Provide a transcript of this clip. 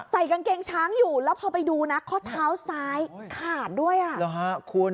ใส่กางเกงช้างอยู่แล้วพอไปดูนะข้อเท้าซ้ายขาดด้วยอ่ะคุณ